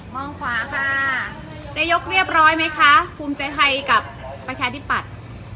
มองขวาค่ะนายกเรียบร้อยไหมคะภูมิใจไทยกับประชาธิปัตย์